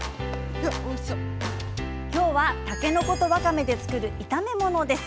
今日はたけのことわかめで作る炒め物です。